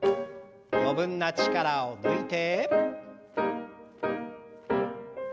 余分な力を抜いて。